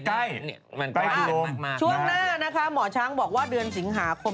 ใช่ช่วงหน้านะคะหมอช้างบอกว่าเดือนสิงหาคม